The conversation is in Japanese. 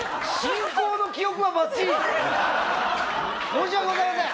申し訳ございません！